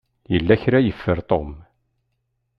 Yella kra i yeffer Tom.